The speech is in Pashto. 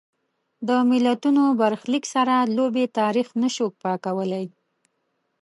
د ملتونو برخلیک سره لوبې تاریخ نه شو پاکولای.